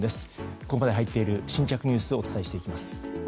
ここまでに入っている新着ニュースをお伝えします。